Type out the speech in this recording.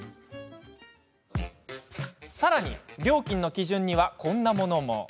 さらに料金の基準にはこんなものも。